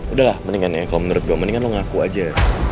udah lah kalau menurut gue mendingan lo ngaku aja